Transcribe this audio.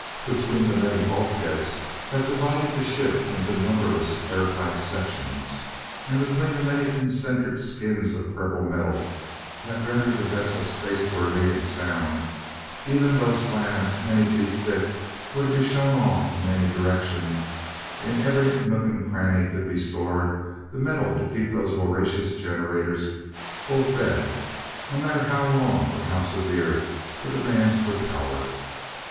Between the many bulkheads that divided the ship into numberless airtight sections, and between the many concentric skins of purple metal that rendered the vessel space worthy and sound, even though slabs many feet thick were to be shown off in any direction in every nook and cranny could be stored the metal to keep those voracious generators full fed, no matter how long or how severe the demand for power.